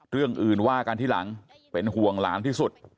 เรื่องอื่นว่ากันทีหลังเป็นห่วงหลานที่สุด